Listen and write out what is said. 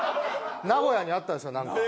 名古屋にあったんですよなんか。